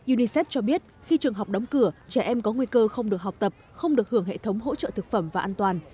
unicef cho biết khi trường học đóng cửa trẻ em có nguy cơ không được học tập không được hưởng hệ thống hỗ trợ thực phẩm và an toàn